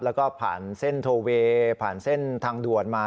แล้วก็ผ่านเส้นโทเวย์ผ่านเส้นทางด่วนมา